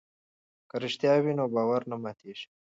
که رښتیا وي نو باور نه ماتیږي.